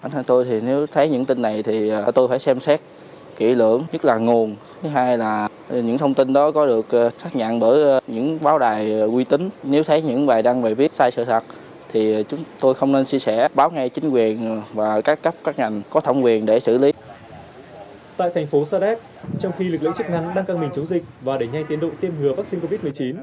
tại thành phố sa đéc trong khi lực lượng chức năng đang căng mình chống dịch và đẩy nhanh tiến đội tiêm hừa vaccine covid một mươi chín